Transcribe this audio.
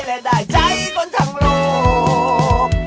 และได้ใจคนทั้งโลก